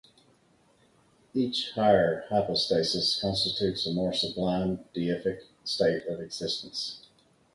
Each higher hypostasis constitutes a more sublime deific state of existence.